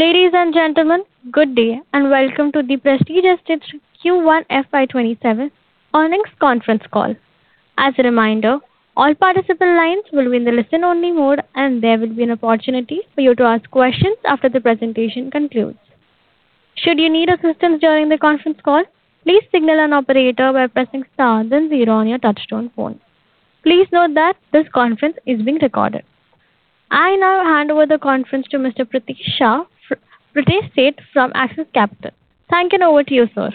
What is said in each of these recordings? Ladies and gentlemen, good day and welcome to the Prestige Estates Q1 FY 2027 earnings conference call. As a reminder, all participant lines will be in the listen-only mode, and there will be an opportunity for you to ask questions after the presentation concludes. Should you need assistance during the conference call, please signal an operator by pressing star then zero on your touchtone phone. Please note that this conference is being recorded. I now hand over the conference to Mr. Pritesh Sheth, Prestige Estate from Axis Capital. Thank you, and over to you, sir.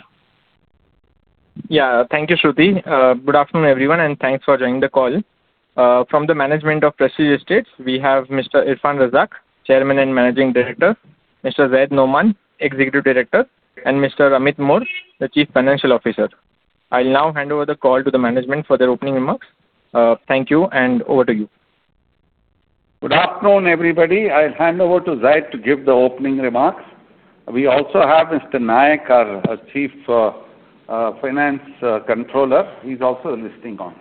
Thank you, Shruti. Good afternoon, everyone, and thanks for joining the call. From the management of Prestige Estates, we have Mr. Irfan Razack, Chairman and Managing Director, Mr. Zayd Noaman, Executive Director, and Mr. Amit Mor, the Chief Financial Officer. I'll now hand over the call to the management for their opening remarks. Thank you, and over to you. Good afternoon, everybody. I'll hand over to Zayd to give the opening remarks. We also have Mr. Naik, our Chief Finance Controller. He's also listening on.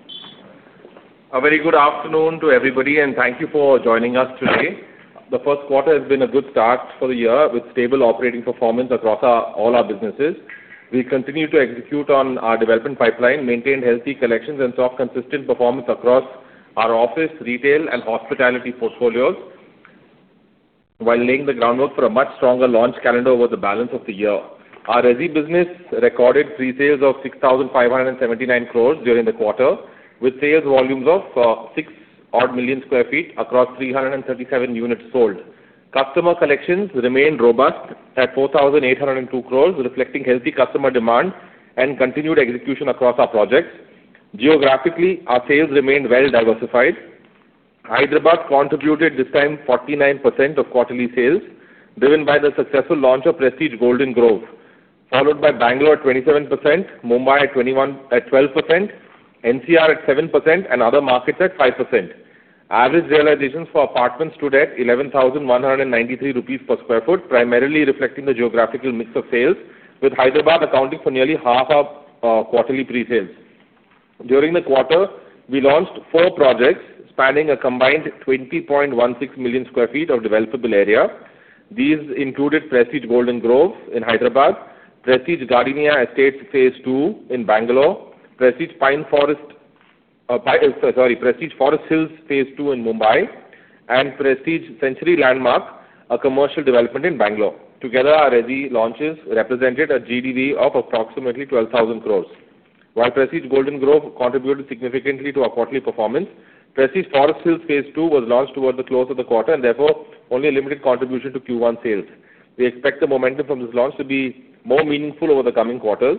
A very good afternoon to everybody. Thank you for joining us today. The first quarter has been a good start for the year with stable operating performance across all our businesses. We continue to execute on our development pipeline, maintain healthy collections, and saw consistent performance across our office, retail, and hospitality portfolios while laying the groundwork for a much stronger launch calendar over the balance of the year. Our resi business recorded pre-sales of 6,579 crore during the quarter with sales volumes of six odd million sq ft across 337 units sold. Customer collections remained robust at 4,802 crore, reflecting healthy customer demand and continued execution across our projects. Geographically, our sales remained well diversified. Hyderabad contributed this time 49% of quarterly sales, driven by the successful launch of Prestige Golden Grove, followed by Bangalore at 27%, Mumbai at 12%, NCR at 7%, and other markets at 5%. Average realizations for apartments stood at 11,193 rupees per sq ft, primarily reflecting the geographical mix of sales, with Hyderabad accounting for nearly half our quarterly pre-sales. During the quarter, we launched four projects spanning a combined 20.16 million sq ft of developable area. These included Prestige Golden Grove in Hyderabad, Prestige Gardenia Estates phase two in Bangalore, Prestige Forest Hills phase two in Mumbai, and Prestige Century Landmark, a commercial development in Bangalore. Together, our resi launches represented a GDV of approximately 12,000 crore. Prestige Golden Grove contributed significantly to our quarterly performance, Prestige Forest Hills phase two was launched towards the close of the quarter and therefore, only a limited contribution to Q1 sales. We expect the momentum from this launch to be more meaningful over the coming quarters.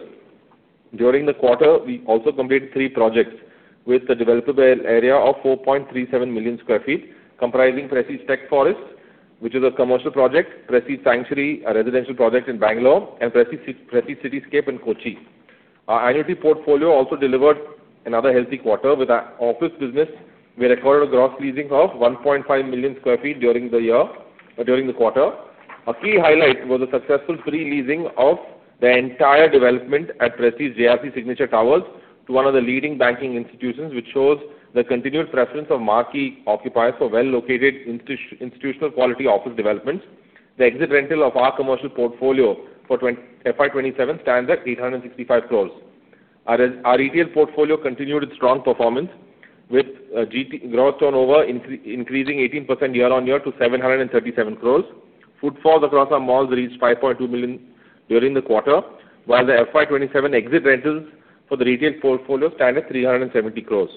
During the quarter, we also completed three projects with a developable area of 4.37 million sq ft comprising Prestige Tech Forest, which is a commercial project, Prestige Sanctuary, a residential project in Bangalore, and Prestige Cityscape in Kochi. Our annuity portfolio also delivered another healthy quarter with our office business. We recorded a gross leasing of 1.5 million sq ft during the quarter. A key highlight was the successful pre-leasing of the entire development at Prestige JRC Signature Tower to one of the leading banking institutions, which shows the continued preference of marquee occupiers for well-located institutional quality office developments. The exit rental of our commercial portfolio for FY 2027 stands at 865 crore. Our retail portfolio continued its strong performance with gross turnover increasing 18% year-over-year to 737 crore. Footfalls across our malls reached 5.2 million during the quarter, while the FY 2027 exit rentals for the retail portfolio stand at 370 crore.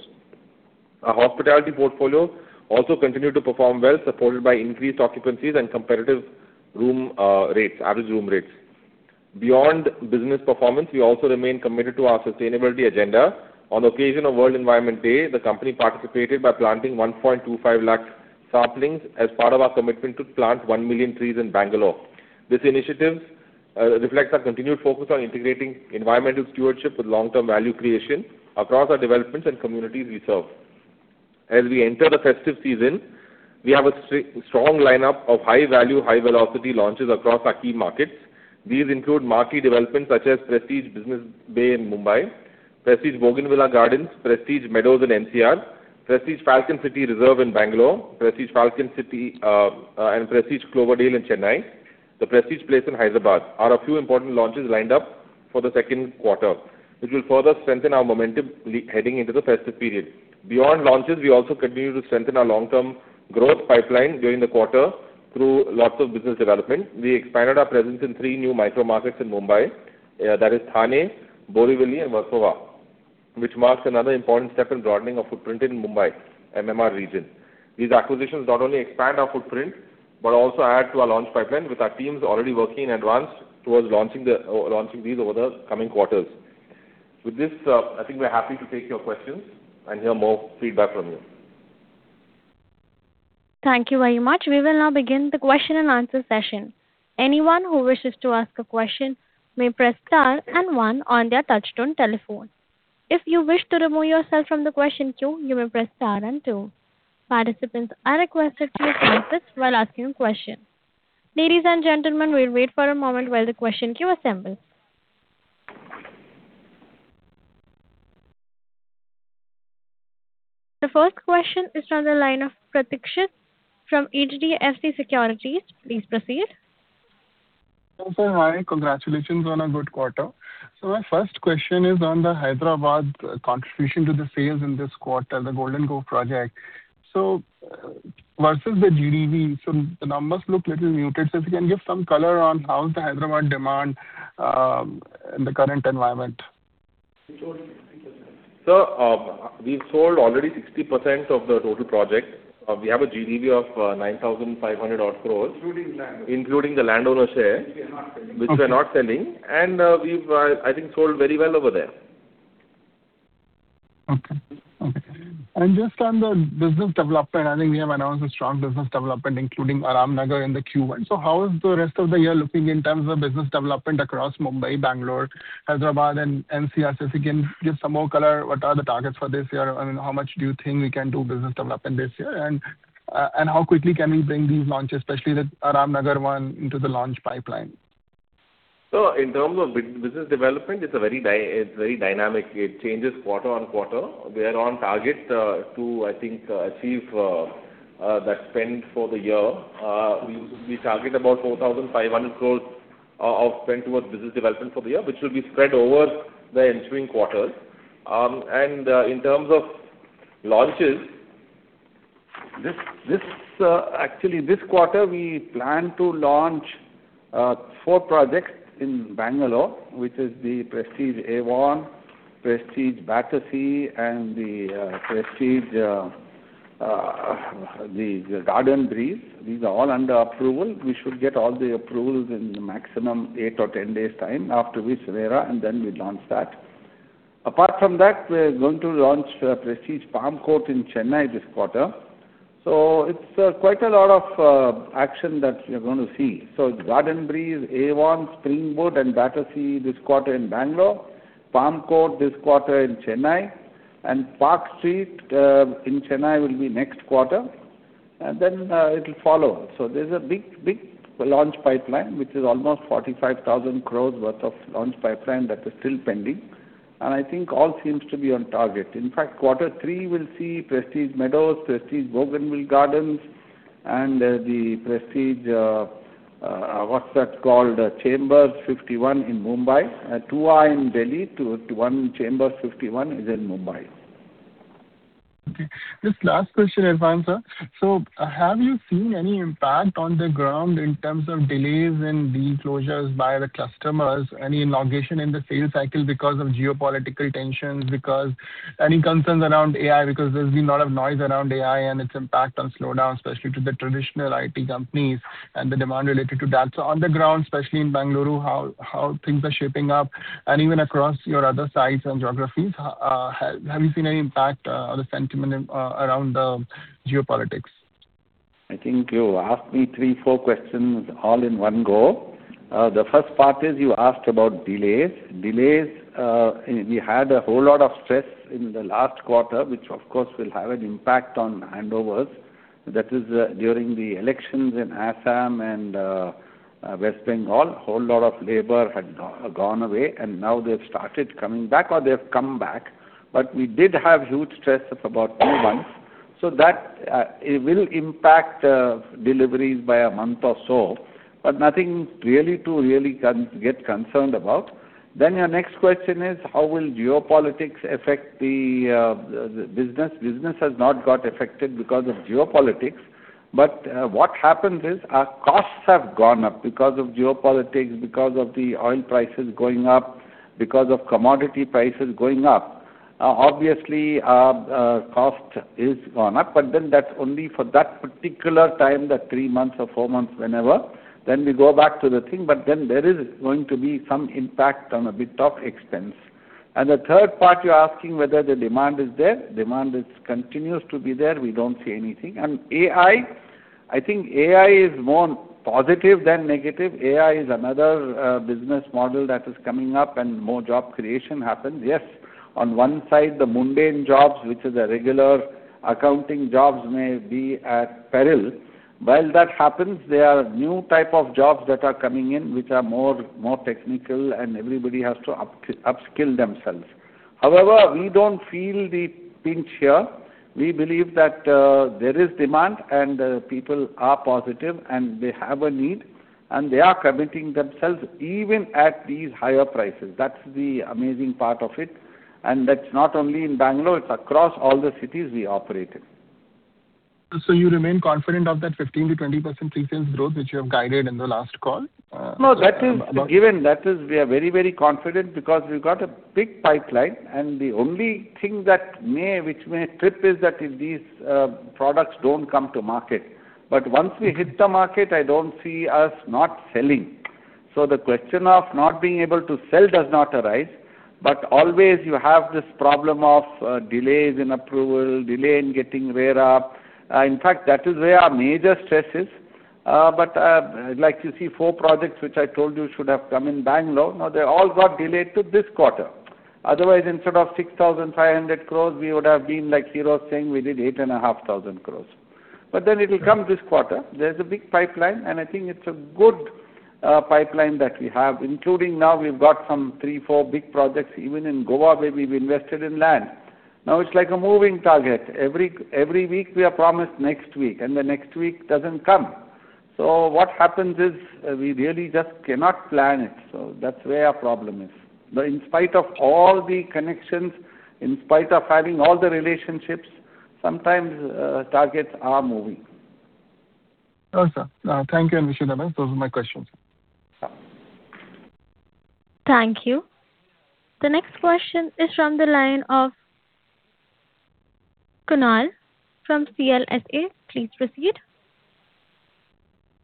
Our hospitality portfolio also continued to perform well, supported by increased occupancies and competitive average room rates. Beyond business performance, we also remain committed to our sustainability agenda. On the occasion of World Environment Day, the company participated by planting 1.25 lakh saplings as part of our commitment to plant 1 million trees in Bangalore. This initiative reflects our continued focus on integrating environmental stewardship with long-term value creation across our developments and communities we serve. As we enter the festive season, we have a strong lineup of high-value, high-velocity launches across our key markets. These include marquee developments such as Prestige Business Bay in Mumbai, Prestige Bougainvillea Gardens, Prestige Meadows in NCR, Prestige Falcon City Reserve in Bangalore, Prestige Clover Dale in Chennai, The Prestige City in Hyderabad are a few important launches lined up for the second quarter, which will further strengthen our momentum heading into the festive period. Beyond launches, we also continue to strengthen our long-term growth pipeline during the quarter through lots of business development. We expanded our presence in three new micro markets in Mumbai, that is Thane, Borivali, and Versova, which marks another important step in broadening our footprint in Mumbai, MMR region. These acquisitions not only expand our footprint but also add to our launch pipeline with our teams already working in advance towards launching these over the coming quarters. With this, I think we're happy to take your questions and hear more feedback from you. Thank you very much. We will now begin the question and answer session. Anyone who wishes to ask a question may press star and one on their touchtone telephone. If you wish to remove yourself from the question queue, you may press star and two. Participants are requested to mute themselves while asking a question. Ladies and gentlemen, we will wait for a moment while the question queue assembles. The first question is from the line of Parikshit from HDFC Securities. Please proceed. Hi, sir. Congratulations on a good quarter. My first question is on the Hyderabad contribution to the sales in this quarter, the Prestige Golden Grove project. Versus the GDV, the numbers look a little muted. If you can give some color on how is the Hyderabad demand in the current environment. We sold 60%. Sir, we have sold already 60% of the total project. We have a GDV of 9,500 odd crores. Including land. Including the landowner share. Which we are not selling. Which we're not selling. We've, I think, sold very well over there. Okay. Just on the business development, I think we have announced a strong business development, including Aaramnagar in the Q1. How is the rest of the year looking in terms of business development across Mumbai, Bengaluru, Hyderabad, and NCR? If you can give some more color, what are the targets for this year? How much do you think we can do business development this year? How quickly can we bring these launches, especially the Aaramnagar one, into the launch pipeline? Sir, in terms of business development, it's very dynamic. It changes quarter on quarter. We are on target to, I think, achieve that spend for the year. We target about 4,500 crore of spend towards business development for the year, which will be spread over the ensuing quarters. In terms of launches, actually this quarter, we plan to launch four projects in Bengaluru, which is the Prestige Avon, Prestige Battersea, and the Prestige Garden Breeze. These are all under approval. We should get all the approvals in maximum eight or 10 days time after we RERA, we launch that. Apart from that, we're going to launch Prestige Palm Court in Chennai this quarter. It's quite a lot of action that you're going to see. Garden Breeze, Avon, Springwood, and Battersea this quarter in Bengaluru, Palm Court this quarter in Chennai, Park Street in Chennai will be next quarter, it'll follow. There's a big launch pipeline, which is almost 45,000 crore worth of launch pipeline that is still pending. I think all seems to be on target. In fact, quarter three, we'll see Prestige Meadows, Prestige Bougainvillea Gardens, and the Prestige, what's that called, Prestige Chambers 51 in Mumbai. Two are in Delhi, one, Prestige Chambers 51, is in Mumbai. Okay. Just last question, Irfan, sir. Have you seen any impact on the ground in terms of delays in closures by the customers, any elongation in the sales cycle because of geopolitical tensions, any concerns around AI? Because there's been a lot of noise around AI and its impact on slowdown, especially to the traditional IT companies and the demand related to that. On the ground, especially in Bengaluru, how things are shaping up, and even across your other sites and geographies, have you seen any impact or the sentiment around the geopolitics? I think you asked me three, four questions all in one go. The first part is you asked about delays. Delays, we had a whole lot of stress in the last quarter, which of course will have an impact on handovers. That is during the elections in Assam and West Bengal, whole lot of labor had gone away, and now they've started coming back, or they've come back. We did have huge stress of about two months. That, it will impact deliveries by a month or so, but nothing really to get concerned about. Your next question is how will geopolitics affect the business. Business has not got affected because of geopolitics. What happens is our costs have gone up because of geopolitics, because of the oil prices going up, because of commodity prices going up. Obviously, cost is gone up, that's only for that particular time, that three months or four months, whenever. We go back to the thing, there is going to be some impact on a bit of expense. The third part, you're asking whether the demand is there. Demand continues to be there. We don't see anything. AI, I think AI is more positive than negative. AI is another business model that is coming up and more job creation happens. Yes, on one side, the mundane jobs, which is a regular accounting jobs may be at peril. While that happens, there are new type of jobs that are coming in which are more technical, and everybody has to upskill themselves. However, we don't feel the pinch here. We believe that there is demand, people are positive, they have a need, and they are committing themselves even at these higher prices. That's the amazing part of it. That's not only in Bengaluru, it's across all the cities we operate in. You remain confident of that 15%-20% pre-sales growth which you have guided in the last call? No, that is given. That is, we are very confident because we've got a big pipeline. The only thing which may trip is that if these products don't come to market. Once we hit the market, I don't see us not selling. The question of not being able to sell does not arise. Always you have this problem of delays in approval, delay in getting RERA. In fact, that is where our major stress is. Like you see four projects which I told you should have come in Bangalore. They all got delayed to this quarter. Otherwise, instead of 6,500 crores, we would have been like Hero saying we did 8,500 crores. It will come this quarter. There's a big pipeline. I think it's a good pipeline that we have, including now we've got some three, four big projects even in Goa, where we've invested in land. Now it's like a moving target. Every week we are promised next week. The next week doesn't come. What happens is we really just cannot plan it. That's where our problem is, that in spite of all the connections, in spite of having all the relationships, sometimes targets are moving. No, sir. Thank you. Wish you the best. Those are my questions. Thank you. The next question is from the line of Kunal from CLSA. Please proceed.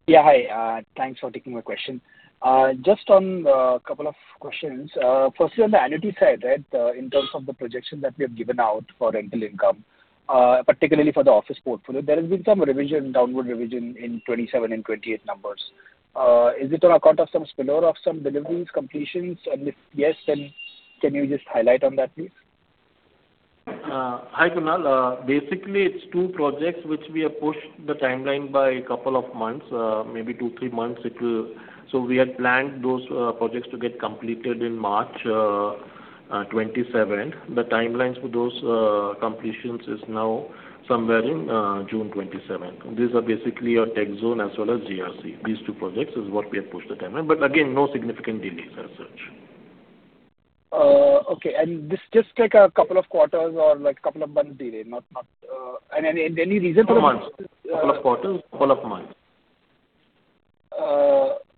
Yeah, hi. Thanks for taking my question. Just on a couple of questions. Firstly, on the annuity side, in terms of the projection that we have given out for rental income, particularly for the office portfolio, there has been some downward revision in 2027 and 2028 numbers. If yes, then can you just highlight on that, please? Hi, Kunal. Basically, it's two projects which we have pushed the timeline by a couple of months, maybe two, three months. We had planned those projects to get completed in March 2027. The timelines for those completions is now somewhere in June 2027. These are basically our Tech Zone as well as CEC. These two projects is what we have pushed the timeline, but again, no significant delays as such. Okay. This just take a couple of quarters or like couple of months delay? Any reason for the- Couple of months. Couple of quarters, couple of months.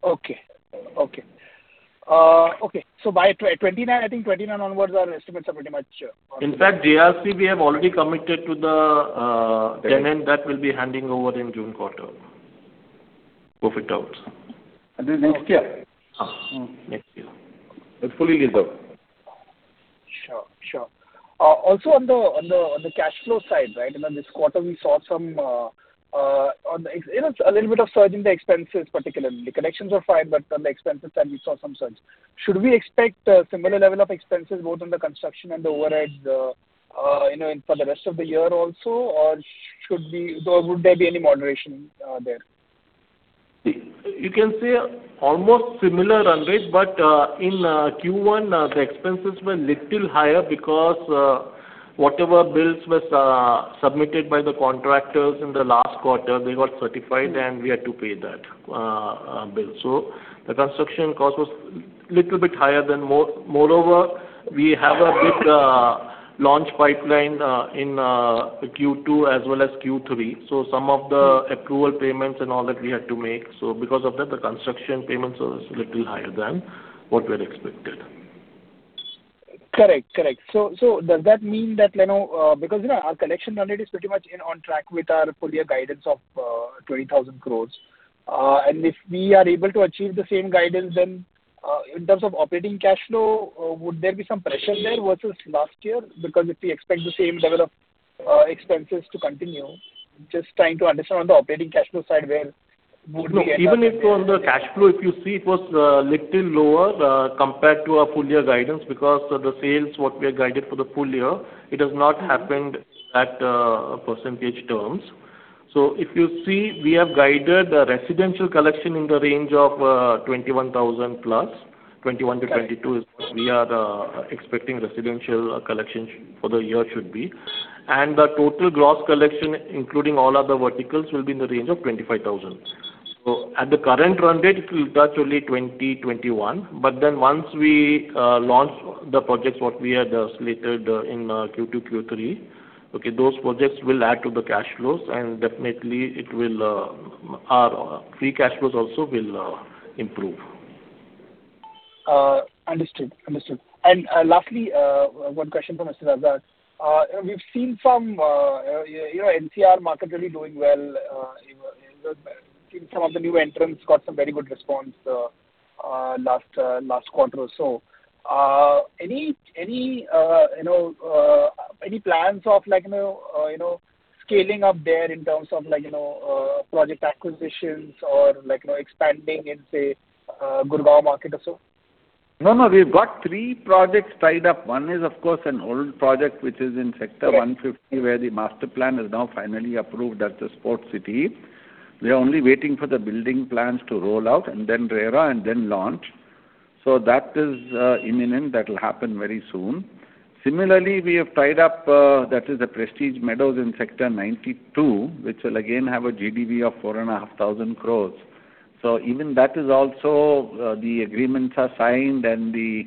Okay. By I think 2029 onwards, our estimates are pretty much. In fact, JRC, we have already committed to the tenant that we will be handing over in June quarter. [Profit out]. This is next year? Yes. Next year. It's fully reserved. Sure. On the cash flow side. In this quarter, we saw a little bit of surge in the expenses, particularly. The collections were fine, but on the expenses side, we saw some surge. Should we expect a similar level of expenses both on the construction and the overheads for the rest of the year also, or would there be any moderation there? You can say almost similar run rate, In Q1, the expenses were little higher because whatever bills was submitted by the contractors in the last quarter, they got certified, and we had to pay that bill. The construction cost was little bit higher. Moreover, we have a big launch pipeline in Q2 as well as Q3. Some of the approval payments and all that we had to make. Because of that, the construction payments was little higher than what we had expected. Correct. Does that mean that, because our collection run rate is pretty much on track with our full year guidance of 20,000 crore. If we are able to achieve the same guidance, in terms of operating cash flow, would there be some pressure there versus last year? If we expect the same level of expenses to continue, just trying to understand on the operating cash flow side, where would we end up there? No. Even if on the cash flow, if you see it was little lower, compared to our full year guidance because the sales, what we had guided for the full year, it has not happened at percentage terms. If you see, we have guided the residential collection in the range of 21,000+. 21,000-22,000 is we are expecting residential collection for the year should be. The total gross collection, including all other verticals, will be in the range of 25,000. At the current run date, it will touch only 20,000-21,000, once we launch the projects, what we had slated in Q2, Q3. Those projects will add to the cash flows, definitely our free cash flows also will improve. Understood. Lastly, one question for Mr. Razack. We've seen NCR market really doing well. I think some of the new entrants got some very good response last quarter or so. Any plans of scaling up there in terms of project acquisitions or expanding in, say, Gurgaon market or so? No, we've got three projects tied up. One is, of course, an old project, which is in Sector 150, where the master plan is now finally approved at the Sports City. We are only waiting for the building plans to roll out, then RERA, then launch. That is imminent. That will happen very soon. Similarly, we have tied up, that is the Prestige Meadows in Sector 92, which will again have a GDV of 4,500 crores. Even that is also, the agreements are signed, and the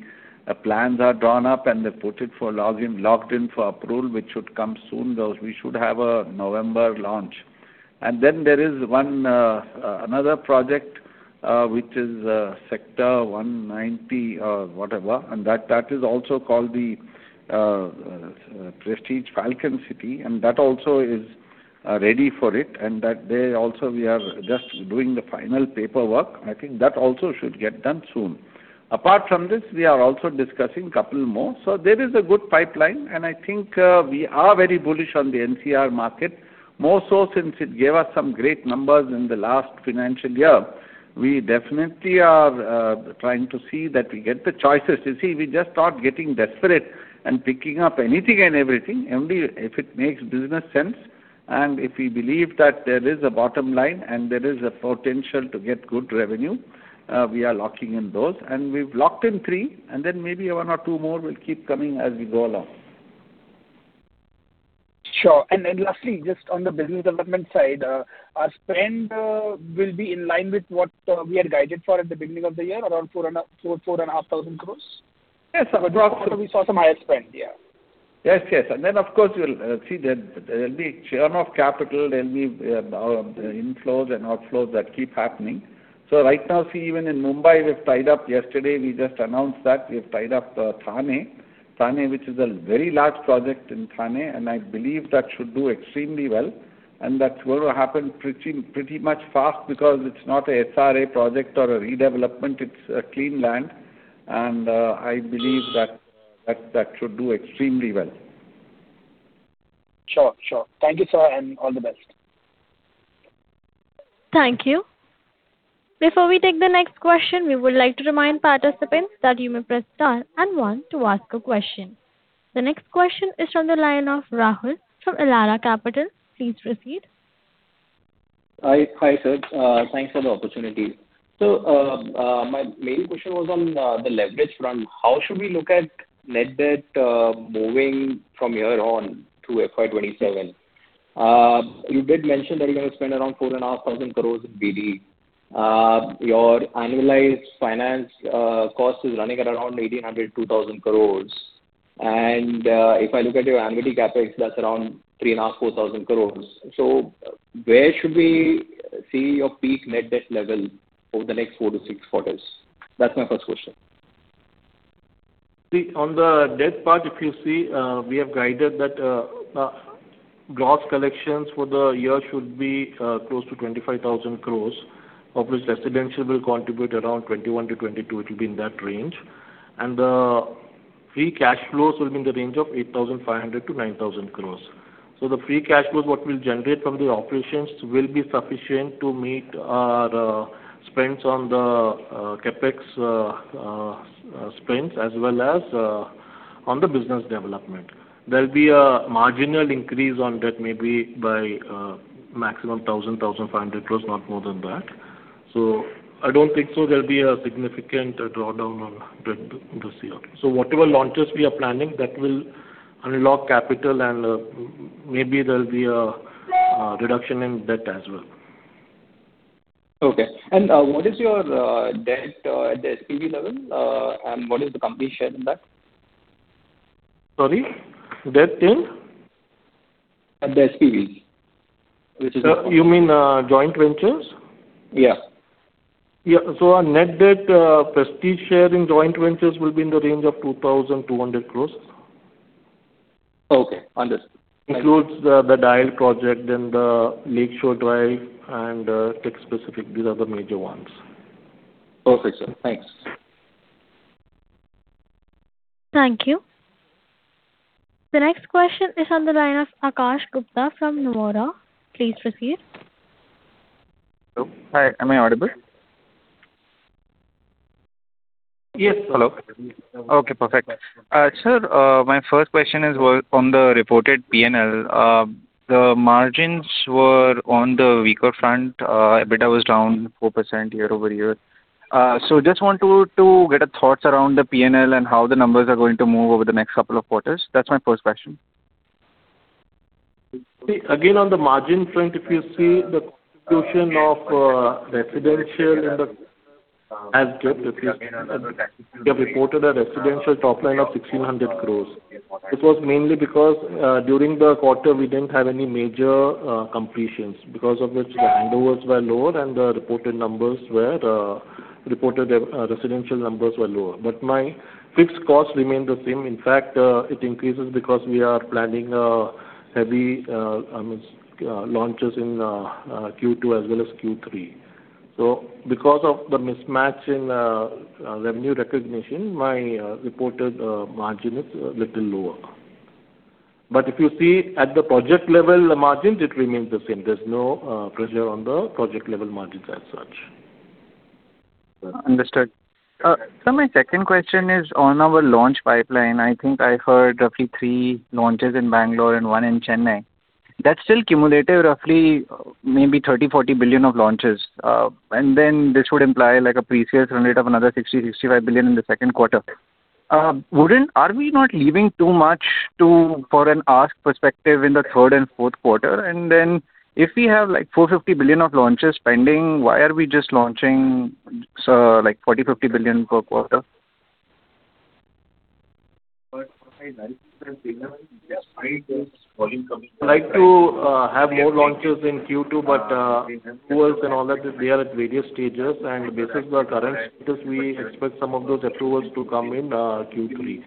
plans are drawn up, and they put it for locked in for approval, which should come soon, though we should have a November launch. Then there is another project, which is Sector 190 or whatever, and that is also called the Prestige Falcon City, and that also is ready for it. That they also, we are just doing the final paperwork. I think that also should get done soon. Apart from this, we are also discussing couple more. There is a good pipeline, and I think we are very bullish on the NCR market, more so since it gave us some great numbers in the last financial year. We definitely are trying to see that we get the choices. You see, we just start getting desperate and picking up anything and everything. Only if it makes business sense. If we believe that there is a bottom line and there is a potential to get good revenue, we are locking in those. We've locked in three, and then maybe one or two more will keep coming as we go along. Sure. Lastly, just on the business development side, our spend will be in line with what we had guided for at the beginning of the year, around 4,500 crores? Yes. We saw some higher spend, yeah. Yes. Then, of course, there'll be churn of capital. There'll be inflows and outflows that keep happening. Right now, even in Mumbai, we've tied up. Yesterday, we just announced that we've tied up Thane, which is a very large project in Thane, and I believe that should do extremely well. That's going to happen pretty much fast because it's not an SRA project or a redevelopment. It's a clean land, and I believe that should do extremely well. Sure. Thank you, sir, and all the best. Thank you. Before we take the next question, we would like to remind participants that you may press star and one to ask a question. The next question is from the line of Rahul from Elara Capital. Please proceed. Hi, sir. Thanks for the opportunity. My main question was on the leverage front. How should we look at net debt moving from here on to FY 2027? You did mention that you're going to spend around 4,500 crore in BD. Your annualized finance cost is running at around 1,800 crore-2,000 crore. If I look at your annuity CapEx, that's around 3,500 crore-4,000 crore. Where should we see your peak net debt level over the next four to six quarters? That's my first question. See, on the debt part, if you see, we have guided that gross collections for the year should be close to 25,000 crore. Of which residential will contribute around 21-22. It will be in that range. The free cash flows will be in the range of 8,500 crore-9,000 crore. The free cash flows, what we'll generate from the operations will be sufficient to meet our spends on the CapEx spends as well as on the business development. There'll be a marginal increase on debt, maybe by maximum 1,000 crore-1,500 crore, not more than that. I don't think so there'll be a significant drawdown on debt this year. Whatever launches we are planning, that will unlock capital, and maybe there'll be a reduction in debt as well. Okay. What is your debt at the SPV level? What is the company share in that? Sorry, debt in? At the SPV. You mean joint ventures? Yeah. Yeah. Our net debt, Prestige share in joint ventures will be in the range of 2,200 crores. Okay, understood. Includes the DIAL project, then the Lake Shore Drive, and Prestige Tech Pacific. These are the major ones. Perfect, sir. Thanks. Thank you. The next question is on the line of Akash Gupta from Nomura. Please proceed. Hello. Hi, am I audible? Yes. Hello. Okay, perfect. Sir, my first question is on the reported P&L. The margins were on the weaker front. EBITDA was down 4% year-over-year. Just want to get a thought around the P&L and how the numbers are going to move over the next couple of quarters. That's my first question. See, again, on the margin front, if you see the dilution of residential. We have reported a residential top line of 1,600 crores. It was mainly because during the quarter, we didn't have any major completions. Because of which the handovers were lower and the reported residential numbers were lower. My fixed costs remain the same. In fact, it increases because we are planning heavy launches in Q2 as well as Q3. Because of the mismatch in revenue recognition, my reported margin is a little lower. If you see at the project level margins, it remains the same. There's no pressure on the project level margins as such. Understood. Sir, my second question is on our launch pipeline. I think I heard roughly three launches in Bangalore and one in Chennai. That's still cumulative roughly maybe 30 billion-40 billion of launches. This would imply a pre-sales run rate of another 60 billion-65 billion in the second quarter. Are we not leaving too much for an ask perspective in the third and fourth quarter? If we have 450 billion of launches pending, why are we just launching 40 billion-50 billion per quarter? We would like to have more launches in Q2, approvals and all that, they are at various stages. Basis the current status, we expect some of those approvals to come in Q3.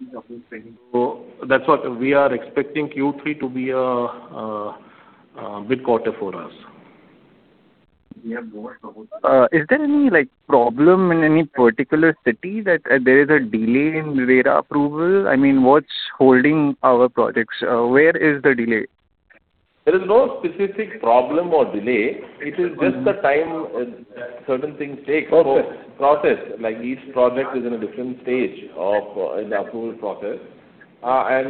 That's what we are expecting Q3 to be a big quarter for us. Is there any problem in any particular city that there is a delay in RERA approval? What's holding our projects? Where is the delay? There is no specific problem or delay. It is just the time certain things take. Process. Process. Like each project is in a different stage of the approval process.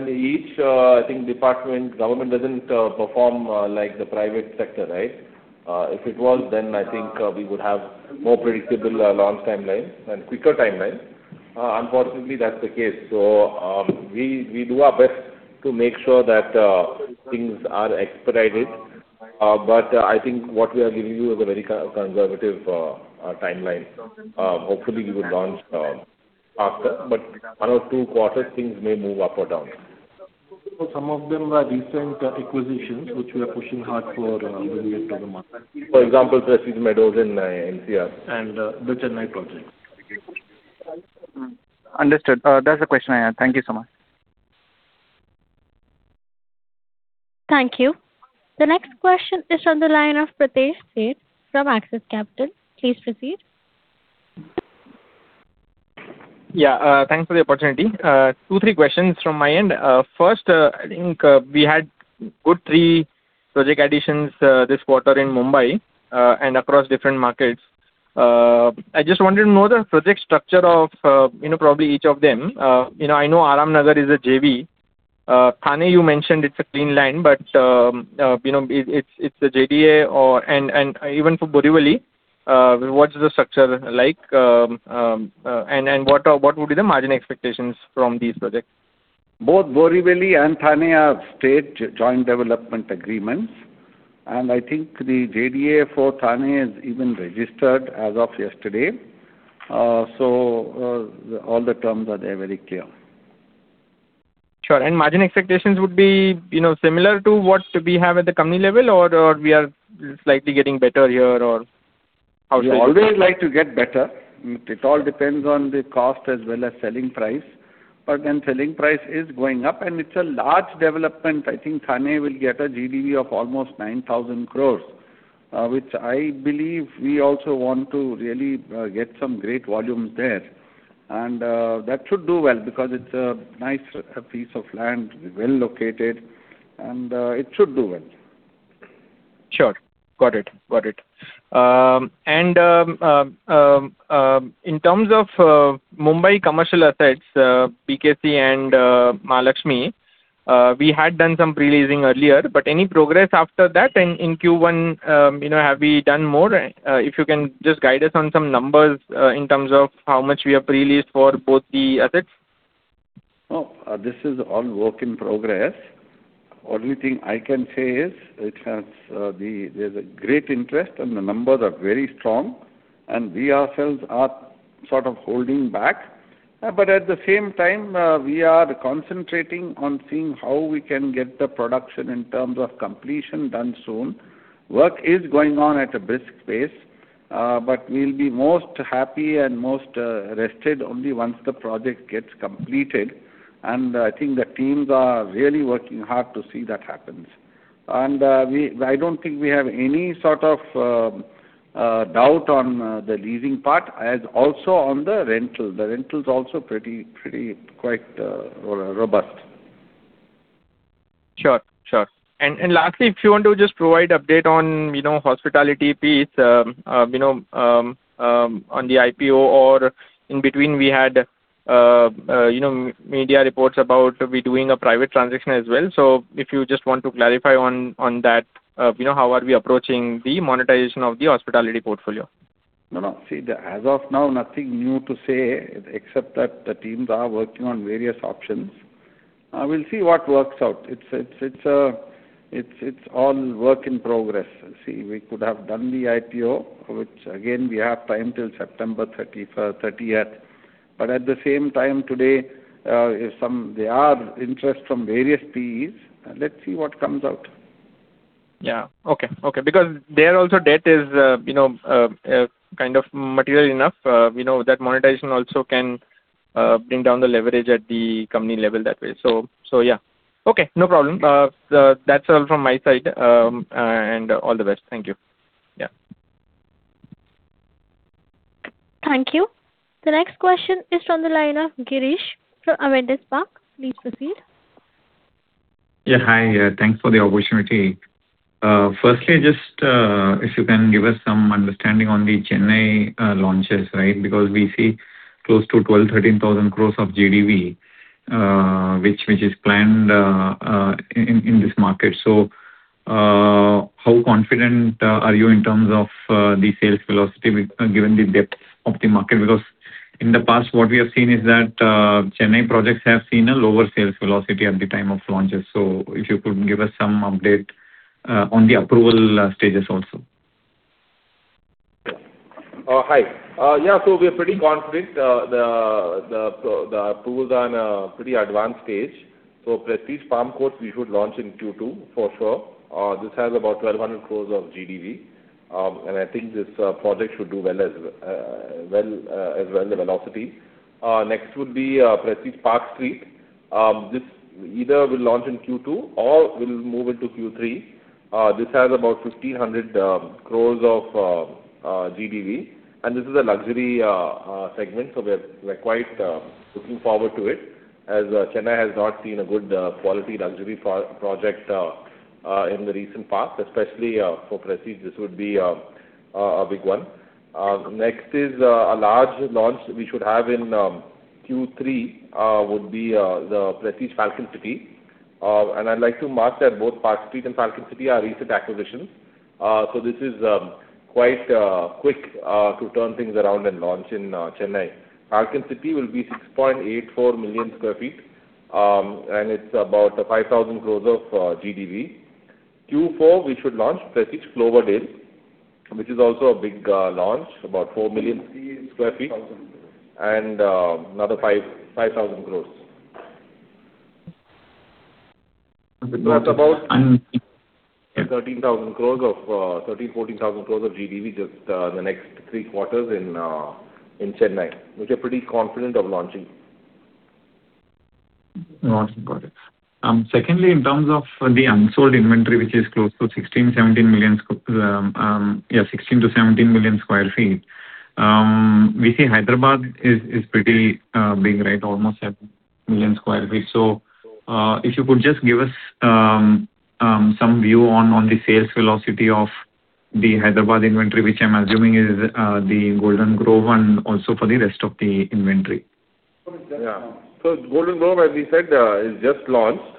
Each, I think department, government doesn't perform like the private sector, right? If it was, I think we would have more predictable launch timelines and quicker timelines. Unfortunately, that's the case. We do our best to make sure that things are expedited. I think what we are giving you is a very conservative timeline. Hopefully, we would launch after, but one or two quarters, things may move up or down. Some of them are recent acquisitions, which we are pushing hard for bringing it to the market. For example, Prestige Meadows in NCR. The Chennai project. Understood. That's the question I had. Thank you so much. Thank you. The next question is on the line of Pritesh Sheth from Axis Capital. Please proceed. Yeah. Thanks for the opportunity. Two, three questions from my end. First, I think we had good three project additions this quarter in Mumbai. Across different markets, I just wanted to know the project structure of probably each of them. I know Aaramnagar is a JV. Thane, you mentioned it's a clean land, but it's a JDA. Even for Borivali, what is the structure like? What would be the margin expectations from these projects? Both Borivali and Thane are state joint development agreements. I think the JDA for Thane is even registered as of yesterday. All the terms are there very clear. Sure. Margin expectations would be similar to what we have at the company level or we are slightly getting better here or how is that? We always like to get better. It all depends on the cost as well as selling price. Selling price is going up, and it's a large development. I think Thane will get a GDV of almost 9,000 crore, which I believe we also want to really get some great volumes there. That should do well because it's a nice piece of land, well-located, and it should do well. Sure. Got it. In terms of Mumbai commercial assets, BKC and Mahalakshmi, we had done some pre-leasing earlier, but any progress after that? In Q1, have we done more? If you can just guide us on some numbers, in terms of how much we have pre-leased for both the assets. No, this is all work in progress. Only thing I can say is, there's a great interest, and the numbers are very strong, and we ourselves are sort of holding back. At the same time, we are concentrating on seeing how we can get the production in terms of completion done soon. Work is going on at a brisk pace, but we'll be most happy and most rested only once the project gets completed. I think the teams are really working hard to see that happens. I don't think we have any sort of doubt on the leasing part, as also on the rental. The rental's also pretty quite robust. Sure. Lastly, if you want to just provide update on hospitality piece, on the IPO or in between, we had media reports about us doing a private transaction as well. If you just want to clarify on that, how are we approaching the monetization of the hospitality portfolio? No. See, as of now, nothing new to say except that the teams are working on various options. We'll see what works out. It's all work in progress. See, we could have done the IPO, which again, we have time till September 30th. At the same time today, there are interest from various PEs. Let's see what comes out. Yeah. Okay. There also debt is kind of material enough. We know that monetization also can bring down the leverage at the company level that way. Yeah. Okay, no problem. That's all from my side, and all the best. Thank you. Yeah. Thank you. The next question is from the line of Girish from Avendus Spark. Please proceed. Hi. Thanks for the opportunity. Firstly, if you can give us some understanding on the Chennai launches, right? We see close to 12,000 crore-13,000 crore of GDV, which is planned in this market. How confident are you in terms of the sales velocity given the depth of the market? In the past, what we have seen is that Chennai projects have seen a lower sales velocity at the time of launches. If you could give us some update on the approval stages also. Hi. We are pretty confident. The approval's on a pretty advanced stage. Prestige Palm Courts we should launch in Q2, for sure. This has about 1,200 crore of GDV. I think this project should do well as well in velocity. Next would be Prestige Park Street. This either will launch in Q2 or will move into Q3. This has about 1,500 crore of GDV, and this is a luxury segment, we are quite looking forward to it, as Chennai has not seen a good quality luxury project in the recent past, especially for Prestige, this would be a big one. Next is a large launch we should have in Q3, would be the Prestige Falcon City. I would like to mark that both Prestige Park Street and Prestige Falcon City are recent acquisitions. This is quite quick to turn things around and launch in Chennai. Prestige Falcon City will be 6.84 million sq ft, and it's about 5,000 crore of GDV. Q4, we should launch Prestige Cloverdale, which is also a big launch, about 4 million sq ft and another 5,000 crore. It's about 13,000 crore or 14,000 crore of GDV just the next three quarters in Chennai, which we're pretty confident of launching. Awesome. Got it. Secondly, in terms of the unsold inventory, which is close to 16 million sq ft-17 million sq ft. We see Hyderabad is pretty big, right? Almost 7 million sq ft. If you could give us some view on the sales velocity of the Hyderabad inventory, which I'm assuming is the Golden Grove one, also for the rest of the inventory. Yeah. Golden Grove, as we said, is just launched,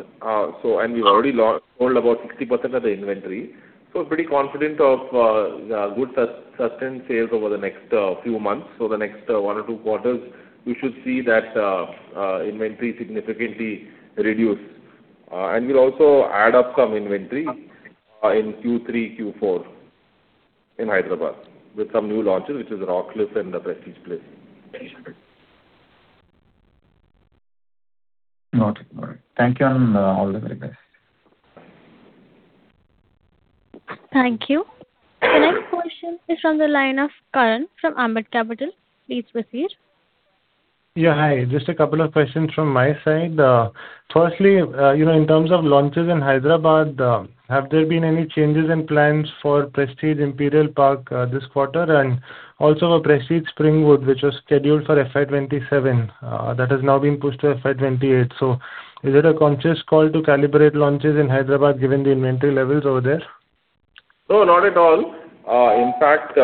we've already sold about 60% of the inventory, pretty confident of good sustained sales over the next few months. The next one or two quarters, we should see that inventory significantly reduced. We'll also add up some inventory in Q3, Q4 in Hyderabad with some new launches, which is Prestige Rockcliffe and The Prestige City. Okay, got it. Thank you, all the very best. Thank you. The next question is from the line of Karan from Ambit Capital. Please proceed. Yeah, hi. Just a couple of questions from my side. Firstly, in terms of launches in Hyderabad, have there been any changes in plans for Prestige Imperial Park this quarter? Also for Prestige Springwood, which was scheduled for FY 2027, that has now been pushed to FY 2028. Is it a conscious call to calibrate launches in Hyderabad given the inventory levels over there? Not at all. In fact,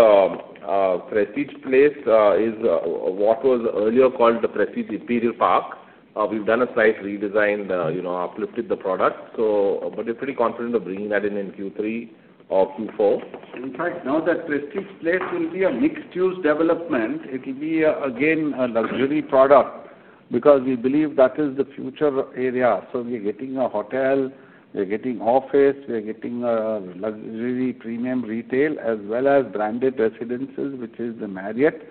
Prestige Place is what was earlier called the Prestige Imperial Park. We've done a slight redesign, uplifted the product. We're pretty confident of bringing that in Q3 or Q4. In fact, now that Prestige Place will be a mixed-use development, it will be again a luxury product because we believe that is the future area. We're getting a hotel, we're getting office, we're getting a luxury premium retail, as well as branded residences, which is the Marriott,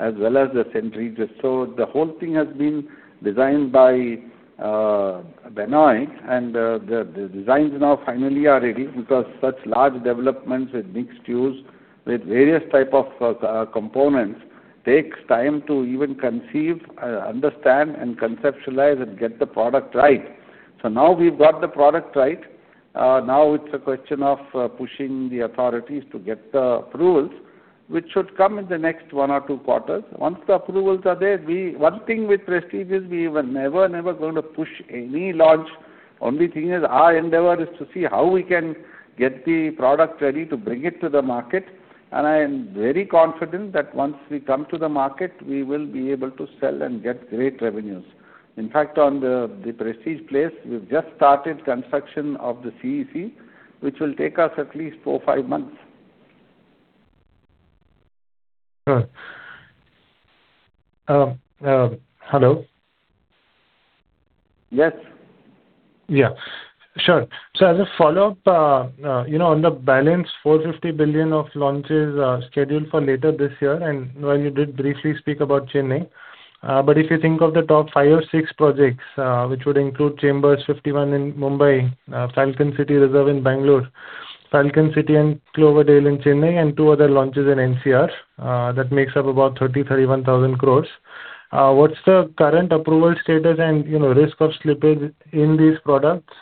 as well as the St. Regis. The whole thing has been designed by Benoy, and the designs now finally are ready because such large developments with mixed use, with various type of components takes time to even conceive, understand, and conceptualize and get the product right. Now we've got the product right. Now it's a question of pushing the authorities to get the approvals, which should come in the next one or two quarters. Once the approvals are there, one thing with Prestige is we were never going to push any launch. Only thing is, our endeavor is to see how we can get the product ready to bring it to the market. I am very confident that once we come to the market, we will be able to sell and get great revenues. In fact, on the Prestige Place, we've just started construction of the CEC, which will take us at least four, five months. Sure. Hello? Yes. Yes, sure. While you did briefly speak about Chennai, if you think of the top five or six projects, which would include Prestige Chambers 51 in Mumbai, Prestige Falcon City Reserve in Bangalore, Prestige Falcon City and Prestige Clover Dale in Chennai, and two other launches in NCR, that makes up about 30,000 crore-31,000 crore. What's the current approval status and risk of slippage in these projects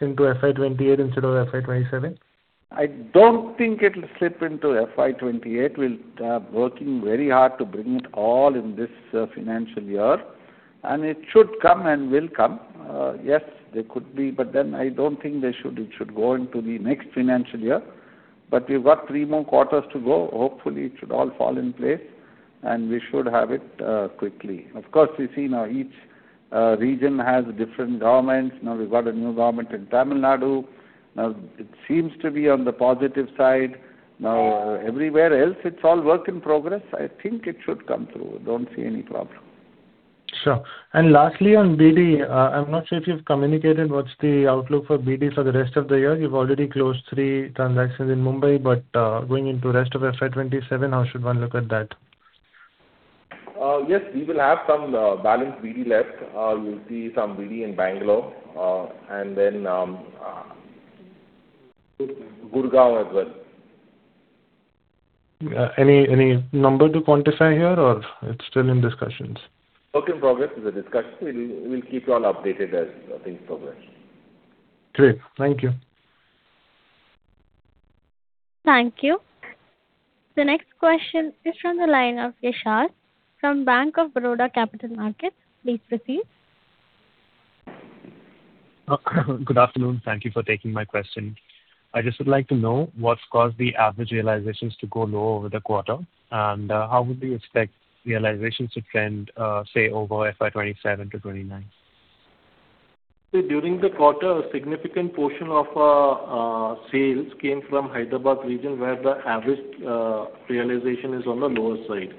into FY 2028 instead of FY 2027? I don't think it'll slip into FY 2028. We're working very hard to bring it all in this financial year. It should come, and will come. Yes, there could be. I don't think it should go into the next financial year. We've got three more quarters to go. Hopefully, it should all fall in place, and we should have it quickly. Of course, we see now each region has different governments. We've got a new government in Tamil Nadu. It seems to be on the positive side. Everywhere else, it's all work in progress. I think it should come through. I don't see any problem. Sure. Lastly, on BD, I'm not sure if you've communicated what's the outlook for BD for the rest of the year. You've already closed three transactions in Mumbai, going into rest of FY 2027, how should one look at that? Yes, we will have some balance BD left. We'll see some BD in Bangalore, then Gurgaon as well. Any number to quantify here, or it's still in discussions? Work in progress with the discussions. We'll keep you all updated as things progress. Great. Thank you. Thank you. The next question is from the line of Yashard from Bank of Baroda Capital Markets. Please proceed. Good afternoon. Thank you for taking my question. I just would like to know what's caused the average realizations to go low over the quarter, and how would you expect realizations to trend, say, over FY 2027 to FY 2029? During the quarter, a significant portion of our sales came from Hyderabad region where the average realization is on the lower side.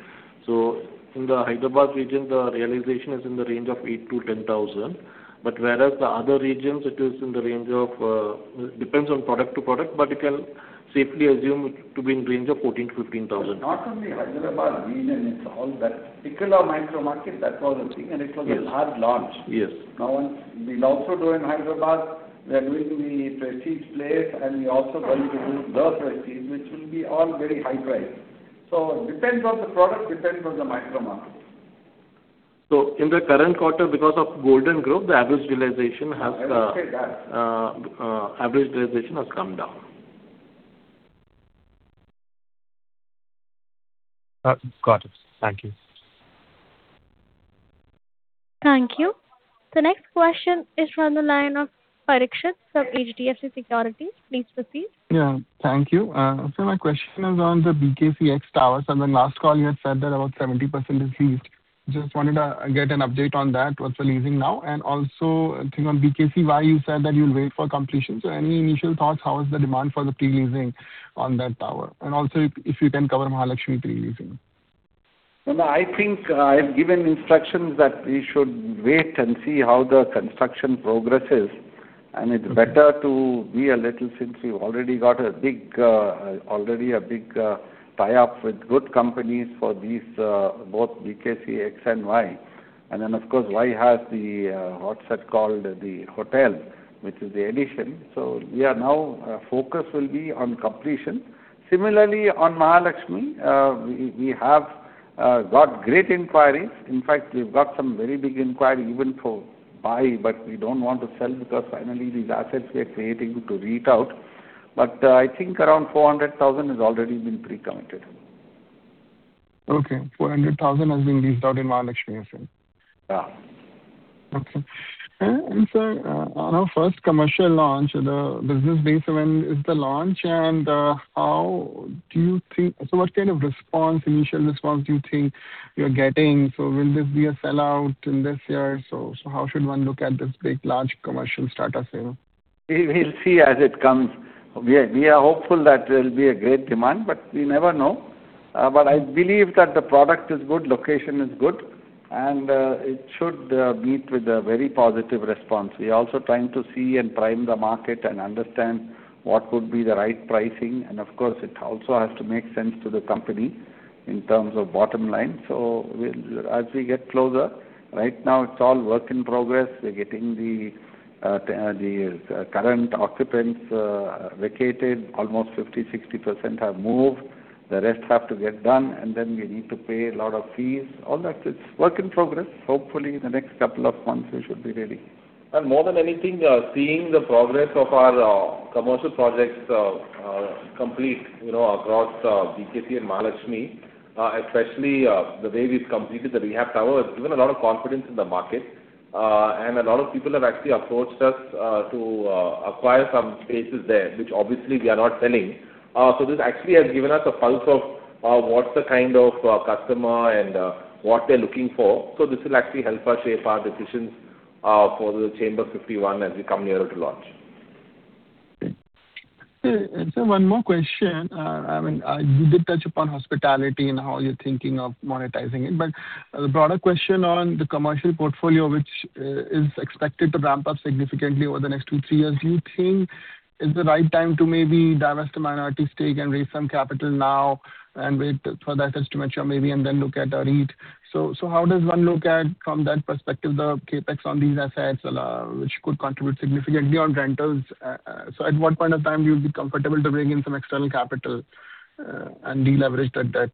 In the Hyderabad region, the realization is in the range of 8,000-10,000, whereas the other regions, it depends on product to product, you can safely assume it to be in range of 14,000-15,000. Not only Hyderabad region, it's all that. [Ikela] micro market, that was a thing, it was a large launch. Yes. Now we'll also do in Hyderabad, we are doing The Prestige City, we're also going to do The Prestige, which will be all very high price. Depends on the product, depends on the micro market. In the current quarter, because of Golden Grove, the average realization has.. I would say that... ..average realization has come down. Got it. Thank you. Thank you. The next question is from the line of Parikshit from HDFC Securities. Please proceed. Yeah. Thank you. Sir, my question is on the BKC X Towers. On the last call, you had said that about 70% is leased. Just wanted to get an update on that. What's the leasing now? Also, I think on BKC Y, you said that you'll wait for completion. Any initial thoughts? How is the demand for the pre-leasing on that tower? Also if you can cover Mahalakshmi pre-leasing. I think I've given instructions that we should wait and see how the construction progresses, and it's better to be a little since we've already got a big tie-up with good companies for these, both BKC X and Y. Then, of course, Y has the, what's it called? The hotel, which is the addition. Our focus will be on completion. Similarly, on Mahalakshmi, we have got great inquiries. In fact, we've got some very big inquiry even for buy, but we don't want to sell because finally these assets we are creating to REIT out. I think around 400,000 has already been pre-committed. Okay. 400,000 has been leased out in Mahalakshmi you're saying? Yeah. Okay. sir, on our first commercial launch, the Prestige Business Bay, when is the launch, what kind of initial response do you think you're getting? Will this be a sellout in this year? How should one look at this big, large commercial strata sale? We'll see as it comes. We are hopeful that there'll be a great demand, but we never know. I believe that the product is good, location is good, and it should meet with a very positive response. We're also trying to see and prime the market and understand what would be the right pricing, and of course, it also has to make sense to the company in terms of bottom line. As we get closer. Right now it's all work in progress. We're getting the current occupants vacated. Almost 50%, 60% have moved. The rest have to get done, and then we need to pay a lot of fees, all that. It's work in progress. Hopefully, in the next couple of months, we should be ready. More than anything, seeing the progress of our commercial projects complete across BKC and Mahalakshmi, especially the way we've completed the rehab tower, has given a lot of confidence in the market. A lot of people have actually approached us to acquire some spaces there, which obviously we are not selling. This actually has given us a pulse of what's the kind of customer and what they're looking for. This will actually help us shape our decisions for the Chamber 51 as we come nearer to launch. Okay. sir, one more question. You did touch upon hospitality and how you're thinking of monetizing it, the broader question on the commercial portfolio, which is expected to ramp up significantly over the next two, three years. Do you think it's the right time to maybe divest a minority stake and raise some capital now and wait for the assets to mature maybe, and then look at a REIT? How does one look at, from that perspective, the CapEx on these assets, which could contribute significantly on rentals? At what point of time you'll be comfortable to bring in some external capital, and deleverage that debt?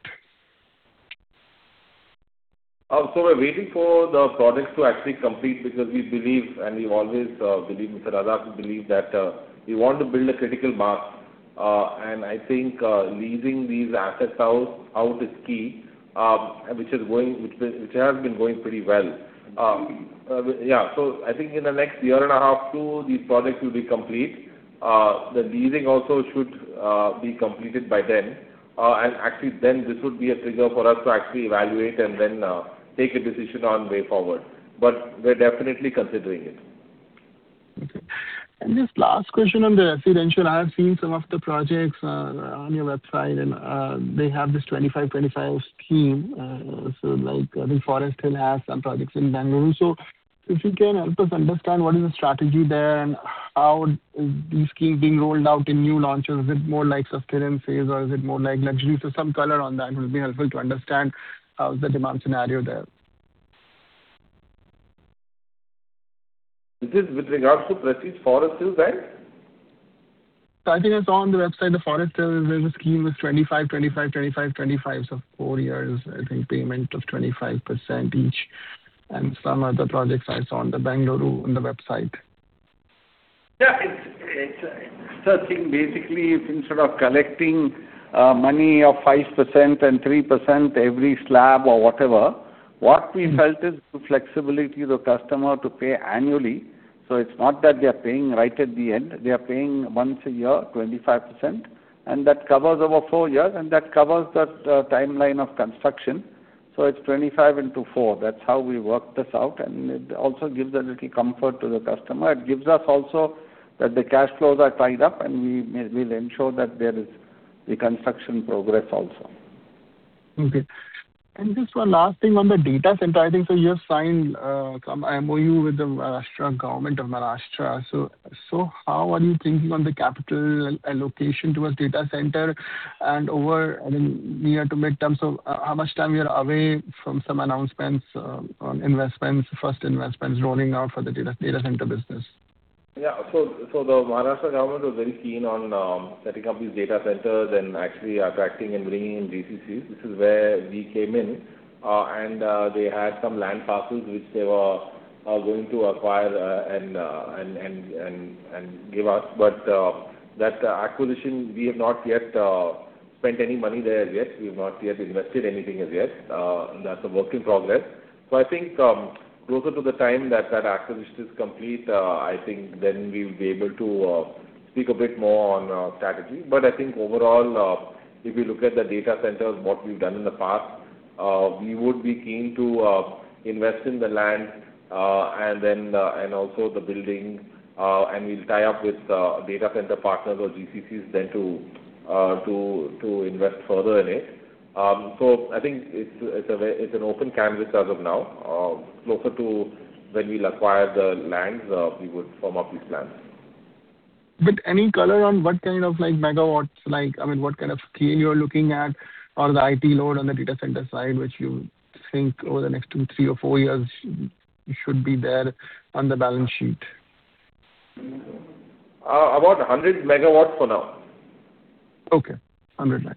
We're waiting for the projects to actually complete because we believe, and we've always believed, Mr. Razack believed that we want to build a critical mass. I think leasing these assets out is key, which has been going pretty well. Yeah. I think in the next year and a half, two, these projects will be complete. The leasing also should be completed by then. Actually, then this would be a trigger for us to actually evaluate and then take a decision on way forward. We're definitely considering it. Okay. Just last question on the residential. I have seen some of the projects on your website, and they have this 25-25 scheme. I think Prestige Forest Hills has some projects in Bengaluru. If you can help us understand what is the strategy there, and how these schemes being rolled out in new launches. Is it more like sustenance or is it more like luxury? Some color on that will be helpful to understand the demand scenario there. Is this with regards to Prestige Forest Hills then? I think I saw on the website, the Prestige Forest Hills, there's a scheme with 25, 25. Four years, I think payment of 25% each and some other project sites on the Bengaluru on the website. Yeah, it's structuring basically instead of collecting money of 5% and 3% every slab or whatever, what we felt is to flexibility the customer to pay annually. It's not that they're paying right at the end, they are paying once a year, 25%, and that covers over four years, and that covers that timeline of construction. It's 25 into four. That's how we work this out, and it also gives a little comfort to the customer. It gives us also that the cash flows are tied up, and we'll ensure that there is the construction progress also. Okay. Just one last thing on the data center, I think. You have signed some MoU with the government of Maharashtra. How are you thinking on the capital allocation towards data center and over near to midterm? How much time you're away from some announcements on investments, first investments rolling out for the data center business? Yeah. The Maharashtra government was very keen on setting up these data centers and actually attracting and bringing in DCCs. This is where we came in. They had some land parcels which they were going to acquire and give us. That acquisition, we have not yet spent any money there yet. We've not yet invested anything as yet. That's a work in progress. I think closer to the time that acquisition is complete I think then we'll be able to speak a bit more on strategy. Overall, if you look at the data centers, what we've done in the past, we would be keen to invest in the land, and also the building, and we'll tie up with data center partners or DCCs then to invest further in it. I think it's an open canvas as of now. Closer to when we'll acquire the lands, we would firm up these plans. Any color on what kind of megawatts, what kind of scale you are looking at or the IT load on the data center side, which you think over the next two, three, or four years should be there on the balance sheet? About 100 MW for now. Okay. 100 MW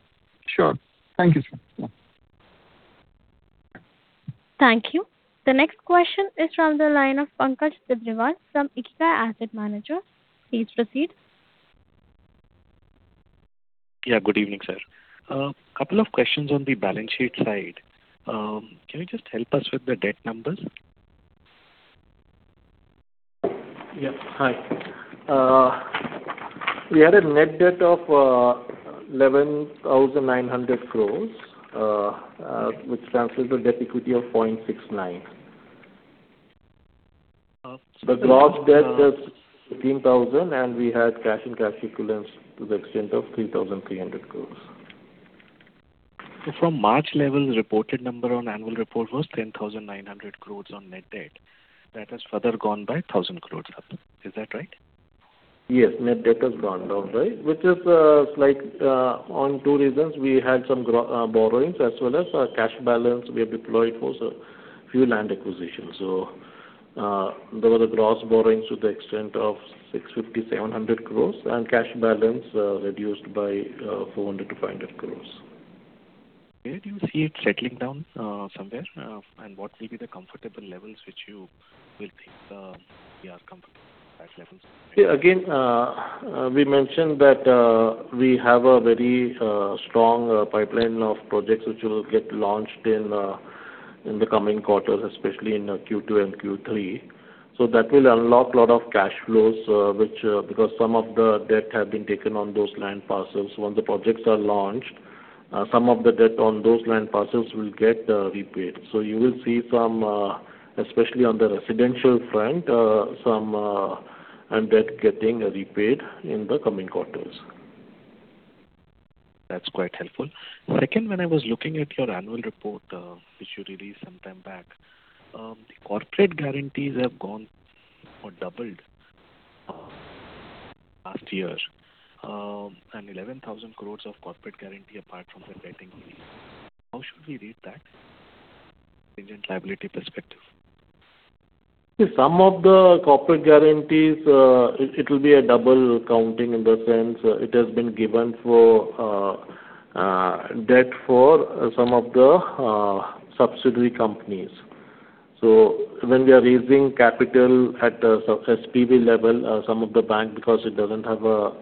Sure. Thank you, sir. Thank you. The next question is from the line of Pankaj Dhingra from Equitas Asset Management. Please proceed. Yeah, good evening, sir. A couple of questions on the balance sheet side. Can you just help us with the debt numbers? Yeah. Hi. We had a net debt of 11,900 crores, which translates to a debt equity of 0.69. The gross debt is 15,000. We had cash and cash equivalents to the extent of 3,300 crores. From March levels, reported number on annual report was 10,900 crores on net debt. That has further gone by 1,000 crores. Is that right? Yes. Net debt has gone down, right? Which is on two reasons. We had some borrowings as well as our cash balance we have deployed for a few land acquisitions. There were the gross borrowings to the extent of 650 crores-700 crores. Cash balance reduced by 400 crores-500 crores. Where do you see it settling down somewhere? What will be the comfortable levels which you will think we are comfortable at levels? We mentioned that we have a very strong pipeline of projects which will get launched in the coming quarters, especially in Q2 and Q3. That will unlock lot of cash flows, because some of the debt have been taken on those land parcels. Once the projects are launched, some of the debt on those land parcels will get repaid. You will see some, especially on the residential front, some debt getting repaid in the coming quarters. That's quite helpful. Second, when I was looking at your annual report, which you released sometime back, the corporate guarantees have gone or doubled last year, 11,000 crores of corporate guarantee apart from the debt increase. How should we read that from a contingent liability perspective? Some of the corporate guarantees, it will be a double counting in the sense it has been given for debt for some of the subsidiary companies. When we are raising capital at the SPV level, some of the bank, because it doesn't have a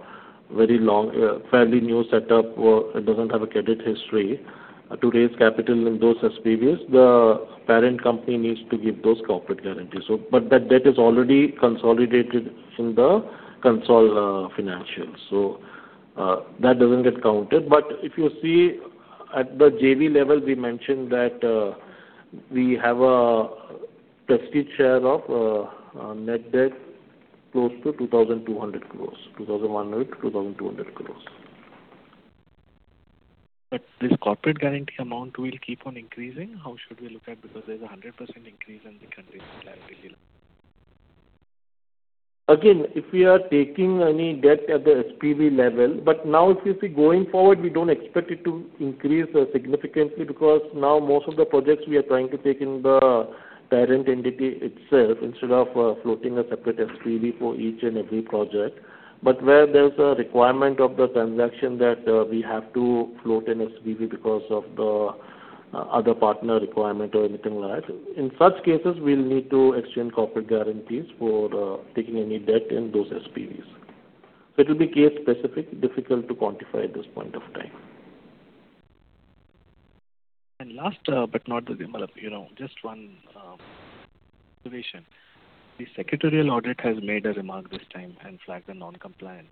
very long, fairly new setup, it doesn't have a credit history to raise capital in those SPVs. The parent company needs to give those corporate guarantees. That debt is already consolidated in the consolidated financials. That doesn't get counted. If you see at the JV level, we mentioned that we have a Prestige share of net debt close to 2,200 crores, 2,100-2,200 crores. This corporate guarantee amount will keep on increasing. How should we look at, because there's 100% increase in the contingent liability level? if we are taking any debt at the SPV level. Now if you see going forward, we don't expect it to increase significantly because now most of the projects we are trying to take in the parent entity itself instead of floating a separate SPV for each and every project. where there's a requirement of the transaction that we have to float an SPV because of the ..other partner requirement or anything like that. In such cases, we'll need to exchange corporate guarantees for taking any debt in those SPVs. it will be case-specific, difficult to quantify at this point of time. Just one observation. The secretarial audit has made a remark this time and flagged a non-compliance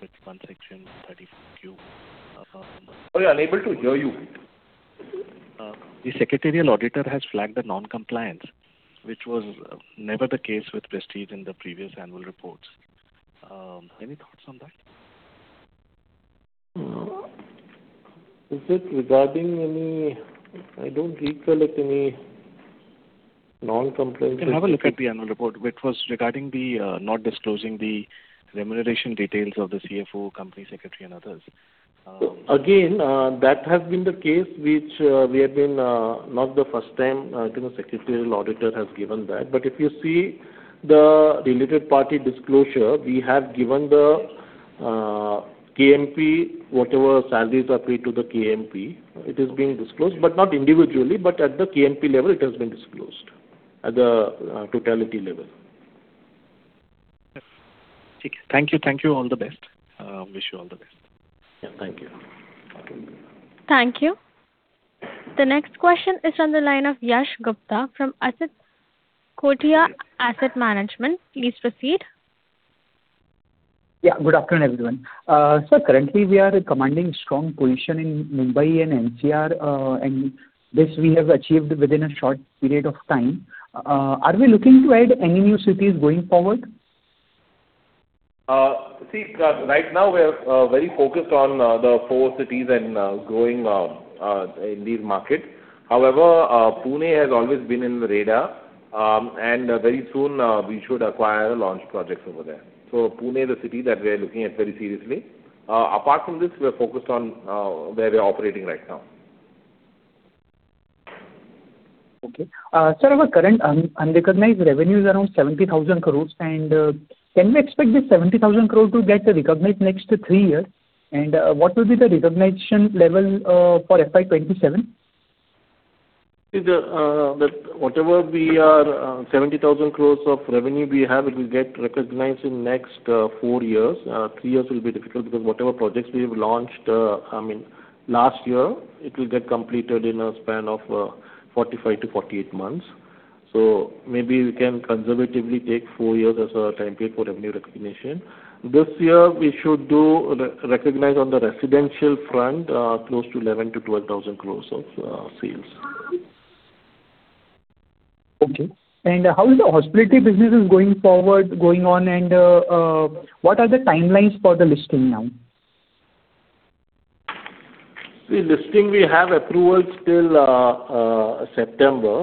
with one Section 301. Sorry, unable to hear you. The secretarial auditor has flagged a non-compliance, which was never the case with Prestige in the previous annual reports. Any thoughts on that? Is it regarding any? I don't recollect any non-compliance. You can have a look at the annual report, which was regarding the not disclosing the remuneration details of the CFO, company secretary, and others. That has been the case, not the first time the secretarial auditor has given that. If you see the related party disclosure, we have given the KMP, whatever salaries are paid to the KMP, it is being disclosed. Not individually, but at the KMP level, it has been disclosed at the totality level. Thank you. All the best. Wish you all the best. Thank you. Thank you. The next question is on the line of Yash Gupta from Axis Asset Management. Please proceed. Good afternoon, everyone. Sir, currently we are commanding strong position in Mumbai and NCR. This we have achieved within a short period of time. Are we looking to add any new cities going forward? See, right now we are very focused on the four cities and growing in these markets. However, Pune has always been in the radar, and very soon we should acquire launch projects over there. Pune is a city that we're looking at very seriously. Apart from this, we're focused on where we are operating right now. Okay. Sir, our current unrecognized revenue is around 70,000 crore. Can we expect this 70,000 crore to get recognized next to three years? What will be the recognition level for FY 2027? Whatever 70,000 crore of revenue we have, it will get recognized in the next four years. Three years will be difficult because whatever projects we have launched last year, it will get completed in a span of 45-48 months. Maybe we can conservatively take four years as a time period for revenue recognition. This year, we should recognize on the residential front close to 11,000 crore-12,000 crore of sales. Okay. How is the hospitality business going on, what are the timelines for the listing now? See, listing, we have approvals till September.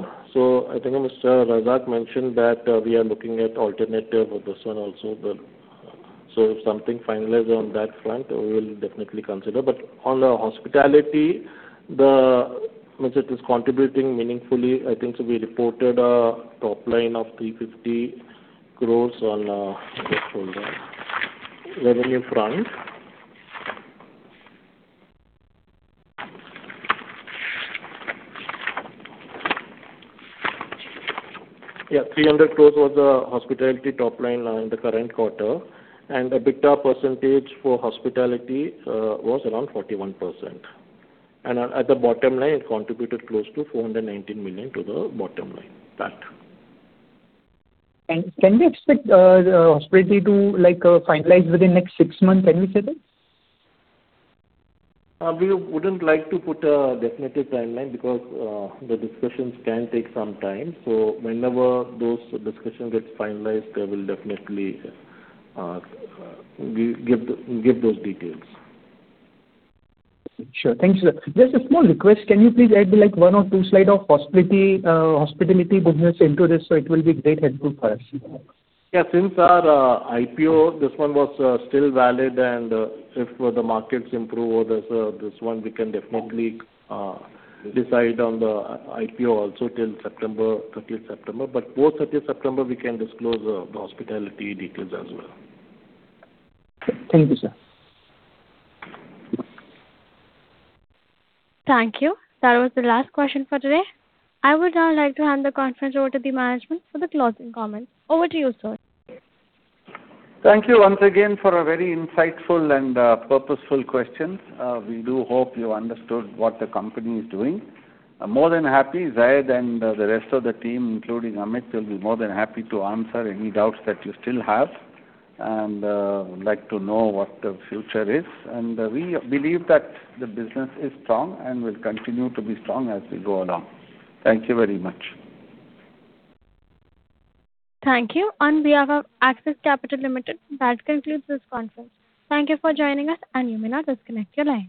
I think Mr. Razack mentioned that we are looking at alternative of this one also. If something finalizes on that front, we will definitely consider. On the hospitality, it is contributing meaningfully. I think we reported a top line of 350 crore on the revenue front. Yeah, 300 crore was the hospitality top line in the current quarter, and the EBITDA percentage for hospitality was around 41%. At the bottom line, it contributed close to 419 million to the bottom line. Can we expect hospitality to finalize within next six months, can we say that? We wouldn't like to put a definitive timeline because the discussions can take some time. Whenever those discussions get finalized, I will definitely give those details. Sure. Thank you, sir. Just a small request. Can you please add one or two slide of hospitality business into this so it will be great helpful for us? Yeah. Since our IPO, this one was still valid, and if the markets improve, this one we can definitely decide on the IPO also till 30th September. Post 30th September, we can disclose the hospitality details as well. Thank you, sir. Thank you. That was the last question for today. I would now like to hand the conference over to the management for the closing comments. Over to you, sir. Thank you once again for very insightful and purposeful questions. We do hope you understood what the company is doing. Zayd and the rest of the team, including Amit, will be more than happy to answer any doubts that you still have and would like to know what the future is. We believe that the business is strong and will continue to be strong as we go along. Thank you very much. Thank you. On behalf of Axis Capital Limited, that concludes this conference. Thank you for joining us. You may now disconnect your lines.